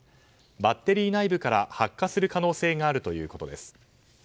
バッテリー内部から発火する可能性があるということです。